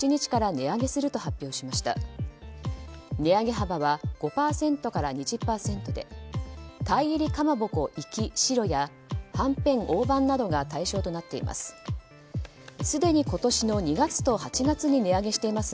値上げ幅は５％から２０％で鯛入り蒲鉾粋白やはんぺん大判などが対象となっています。